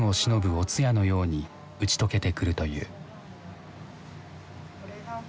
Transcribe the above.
お通夜のように打ち解けてくるという。